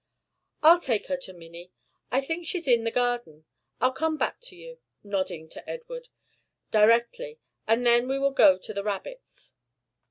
"I'll take her to Minnie; I think she's in the garden. I'll come back to you," nodding to Edward, "directly, and then we will go to the rabbits."